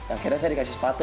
akhirnya saya dikasih sepatu